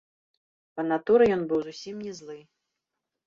Па натуры ён быў зусім не злы.